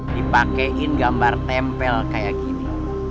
dipakaiin gambar tempel kayak gini